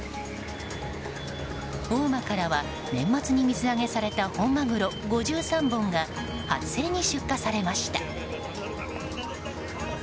大間からは、年末に水揚げされた本マグロ５３本が初競りに出荷されました。